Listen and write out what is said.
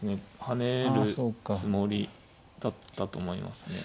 跳ねるつもりだったと思いますね。